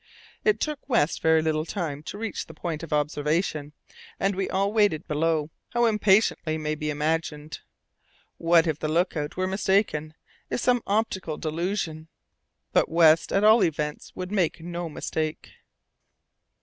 It took West very little time to reach the point of observation, and we all waited below, how impatiently may be imagined. What if the look out were mistaken, if some optical delusion? But West, at all events, would make no mistake.